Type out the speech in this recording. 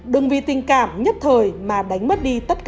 đừng vì tình cảm nhất thời mà đánh mất đi tất cả